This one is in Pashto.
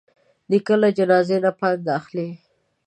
نیکه له جنازې نه پند اخلي.